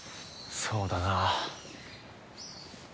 そうだな。